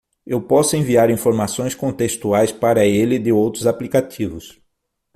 Eu posso enviar informações contextuais para ele de outros aplicativos.